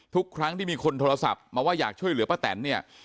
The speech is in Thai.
ทุกครั้งที่มีคนโทรศัพท์มาว่าอยากช่วยเหลือป้าแตนเนี่ย